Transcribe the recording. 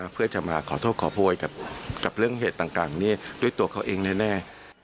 เพื่อจะมาขอโทษขอโพยกับเรื่องเหตุต่างนี้ด้วยตัวเขาเองแน่